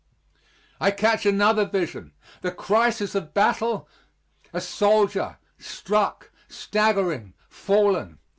I catch another vision. The crisis of battle a soldier, struck, staggering, fallen.